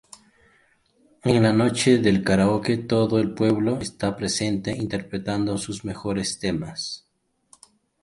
En la noche del karaoke, todo el pueblo está presente interpretando sus mejores temas.